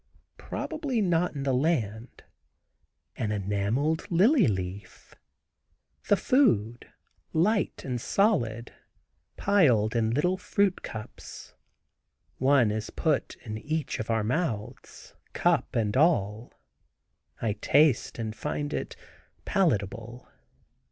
Probably not in the land. An enameled lily leaf. The food, light and solid, piled in little fruit cups. One is put in each our mouths, cup and all. I taste and find it palatable.